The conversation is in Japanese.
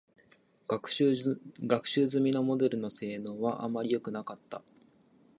学習済みモデルの性能は、あまりよくなかった。